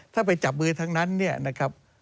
ถ้าไปจับมือทั้งนั้นเนี่ยนะครับ